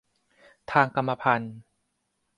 ทางกรรมพันธุ์